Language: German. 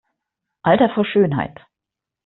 Alter vor Schönheit!